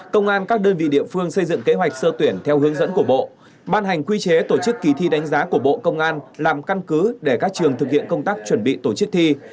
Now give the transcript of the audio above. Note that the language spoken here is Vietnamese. công an các đơn vị địa phương xây dựng kế hoạch sơ tuyển theo hướng dẫn của bộ ban hành quy chế tổ chức kỳ thi đánh giá của bộ công an làm căn cứ để các trường thực hiện công tác chuẩn bị tổ chức thi